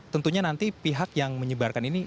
tentunya nanti pihak yang menyebarkan ini